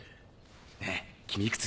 ねぇ君いくつ？